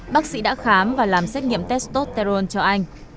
bác sĩ đã khám và làm xét nghiệm testoteron cho anh